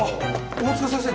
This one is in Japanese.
大塚先生